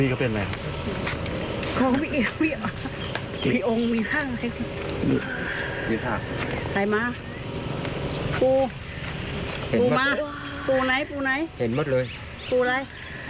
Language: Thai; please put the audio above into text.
กูปูมาปูไหนปูไหนเห็นหมดเลยปูอะไร